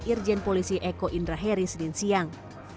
irjen polisi eko indra heris din siang